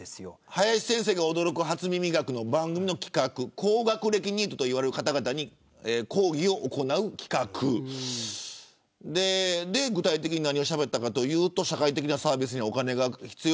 林先生が驚く初耳学！の企画高学歴ニートといわれる方々に講義を行う企画で具体的に何をしゃべったかというと社会的サービスにはお金が必要。